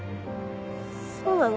そうなの？